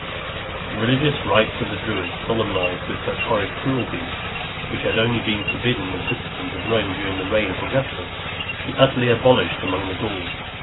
The religious rites of the Druids, solemnized with such horrid cruelties, which had only been forbidden the citizens of Rome during the reign of Augustus, he utterly abolished among the Gauls .